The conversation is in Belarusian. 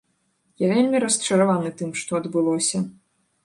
Я вельмі расчараваны тым, што адбылося.